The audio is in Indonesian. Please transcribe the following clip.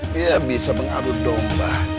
dia bisa mengarut domba